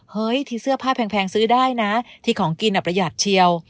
เฮ้ยที่เสื้อผ้าแพงซื้อได้นะที่ของกินประหยัดเชียว